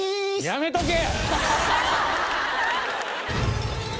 やめとけ！